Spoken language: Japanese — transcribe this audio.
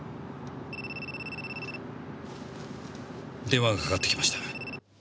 電話がかかってきました。